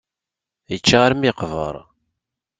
Yečča armi yeqber.